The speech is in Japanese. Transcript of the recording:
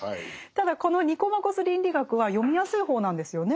ただこの「ニコマコス倫理学」は読みやすい方なんですよね。